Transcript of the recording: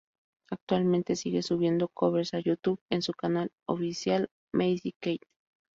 Actualmente sigue subiendo covers a YouTube en su canal oficial Macy Kate.